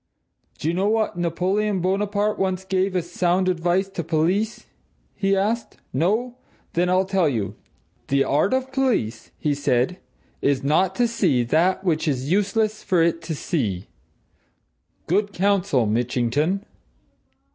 "Do you know what Napoleon Bonaparte once gave as sound advice to police?" he asked. "No! Then I'll tell you. 'The art of the police,' he said, 'is not to see that which it is useless for it to see.' Good counsel, Mitchington!"